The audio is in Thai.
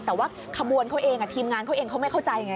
แต่ว่าขบวนเขาเองทีมงานเขาเองเขาไม่เข้าใจไง